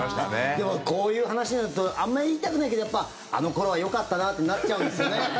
でもこういう話になるとあまり言いたくないけどあの頃はよかったなってなっちゃうんですね。